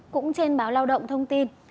cũng trên báo lao động thông tin